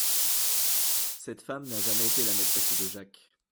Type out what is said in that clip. Cette femme n'a jamais été la maîtresse de Jacques.